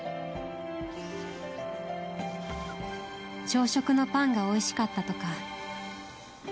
朝食のパンがおいしかったとか。